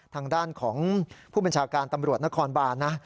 ทางด้านของผู้บัญชาการตำรวจนครบานนะ